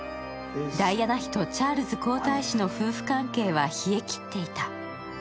ダイアナ妃とチャールズ皇太子の夫婦関係は冷えきっていた。